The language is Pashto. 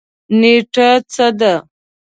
نیټه څه ده؟